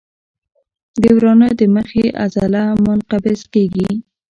د ورانه د مخې عضله منقبض کېږي.